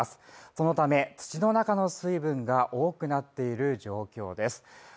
そのため、土の中の水分が多くなっている状況です。